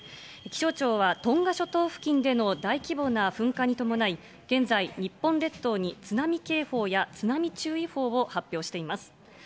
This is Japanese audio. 気象庁はトンガ諸島付近での大規模な噴火に伴い、現在、日本列島に津波警報や津波注意報が発表しています。